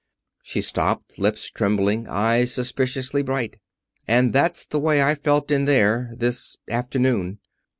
She stopped, lips trembling, eyes suspiciously bright. "And that's the way I felt in there this afternoon."